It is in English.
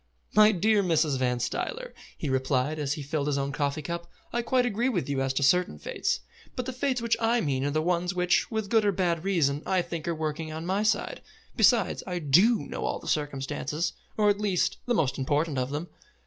"My dear Mrs. Van Stuyler," he replied, as he filled his own coffee cup, "I quite agree with you as to certain fates, but the Fates which I mean are the ones which, with good or bad reason, I think are working on my side. Besides, I do know all the circumstances, or at least the most important of them.